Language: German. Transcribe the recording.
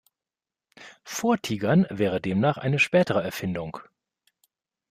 Vortigern wäre demnach eine spätere Erfindung.